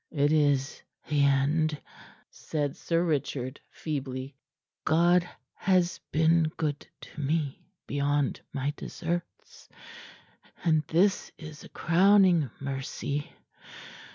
"It is the end," said Sir Richard feebly. "God has been good to me beyond my deserts, and this is a crowning mercy.